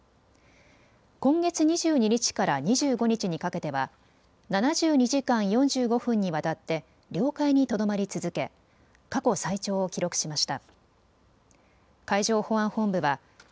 今月２２日から２５日にかけては７２時間４５分にわたって領海にとどまり続け過去最長を記録しました。